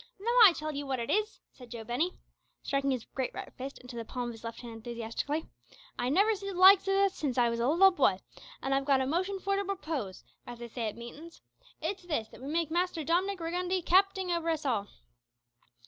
"Now, I tell 'ee what it is, lads," said Joe Binney, striking his great right fist into the palm of his left hand enthusiastically, "I never seed the likes o' that since I was a leetle booy, and I've got a motion for to propose, as they say at meetin's. It's this, that we makes Master Dom'nik Riggundy capting over us all."